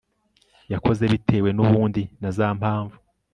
yakoze bitewe n'ubundi na za mpamvu